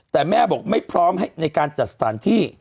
แต่แม่บอกไม่พร้อมในการจัดสถานที่